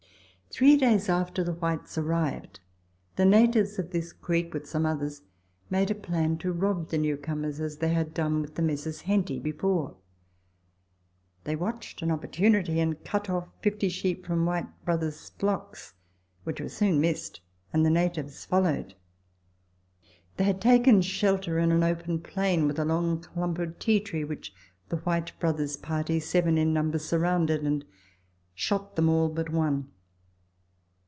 Three days after the Whytcs arrived, the natives of this creek, with some others, made up a plan to rob the new comers, as they had done the Messrs. Henty before. They watched an opportunity, and cut off Letters from Victorian Pioneers. 3l 50 sheep from Whyte Brothers' flocks, which were soon missed, and the natives followed; they had taken shelter in an open plain with a long clump of tea tree, which (he Whyte Brothers' party, seven in number, surrounded, and shot them all hut one.